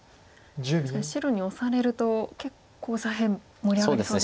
確かに白にオサれると結構左辺盛り上がりそうですか。